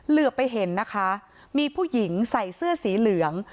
เหลือไปเห็นนะคะมีผู้หญิงใส่เสื้อสีเหลือง